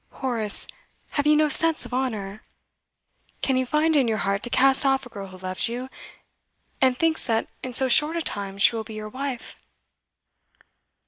Horace, have you no sense of honour? Can you find it in your heart to cast off a girl who loves you, and thinks that in so short a time she will be your wife?